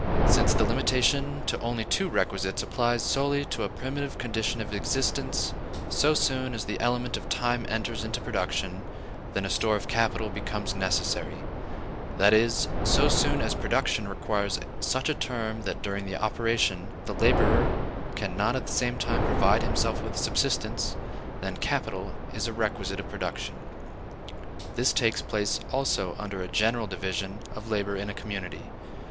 Since the limitation to only two requisites applies solely to a primitive condition of existence, so soon as the element of time enters into production, then a store of capital becomes necessary; that is, so soon as production requires such a term that during the operation the laborer can not at the same time provide himself with subsistence, then capital is a requisite of production. This takes place also under any general division of labor in a community.